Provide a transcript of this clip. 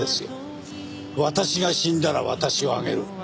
「私が死んだら私をあげる」。